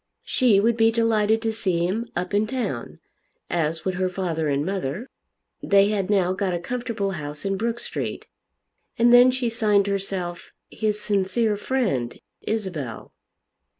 She would be delighted to see him up in town, as would her father and mother. They had now got a comfortable house in Brook Street. And then she signed herself his sincere friend, Isabel.